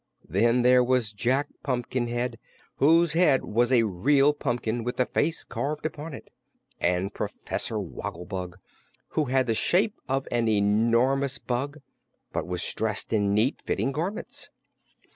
Then there was Jack Pumpkinhead, whose head was a real pumpkin with the face carved upon it; and Professor Wogglebug, who had the shape of an enormous bug but was dressed in neat fitting garments.